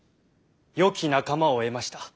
良き仲間を得ました。